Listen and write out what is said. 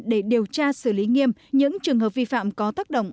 để điều tra xử lý nghiêm những trường hợp vi phạm có tác động